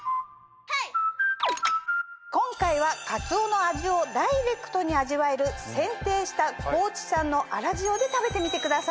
今回はかつおの味をダイレクトに味わえる選定した高知産の粗塩で食べてみてください。